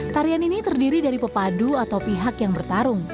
tarian ini terdiri dari pepadu atau pihak yang bertarung